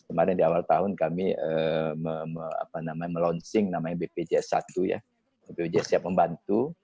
kemarin di awal tahun kami melonsing bpjs satu bpjs siap membantu